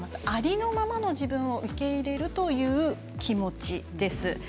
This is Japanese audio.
ありのままの自分を受け入れるという気持ちです。